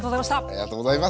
ありがとうございます。